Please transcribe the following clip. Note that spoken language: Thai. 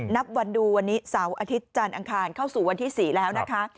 นับวันดูวันนี้เสาร์อาทิตย์จันทร์อังคารเข้าสู่วันที่๔แล้วนะคะ